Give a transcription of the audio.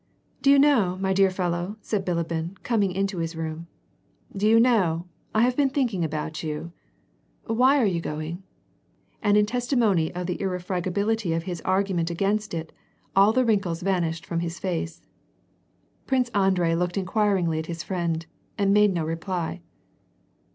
"Do you know, my dear fellow ?" said Bilibin, coming into his room, "do you know, I have been thinking about you. — Why are you going ?'' And in testimony of the irrefragibil ity of his argument against it, all the wrinkles vanished from his face. Prince Andrei looked inquiringly at his friend, and made no reply.